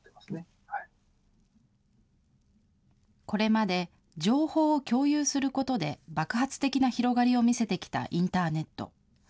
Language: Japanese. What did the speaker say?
これまで情報を共有することで、爆発的な広がりを見せてきたインターネット。